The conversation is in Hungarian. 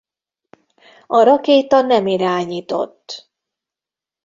A rakéta nem irányított.